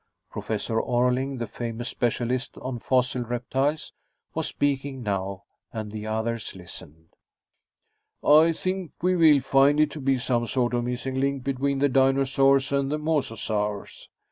Professor Orling, the famous specialist on fossil reptiles, was speaking now, and the others listened. "I think we will find it to be some sort of missing link between the dinosaurs and mososaurs.